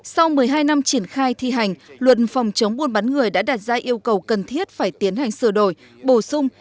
sau một mươi hai năm triển khai thi hành luật phòng chống buôn bán người đã đạt ra yêu cầu cần thiết phải tiến hành sửa đổi bổ sung